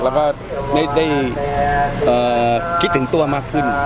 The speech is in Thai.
แล้วก็ได้คิดถึงตัวมากขึ้น